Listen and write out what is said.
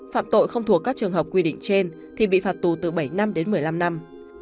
phạm tội không thuộc các trường hợp quy định trên thì bị phạt tù từ bảy năm đến một mươi năm năm